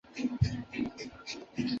乾隆十三年戊辰科一甲第三名进士。